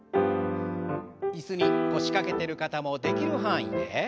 椅子に腰掛けてる方もできる範囲で。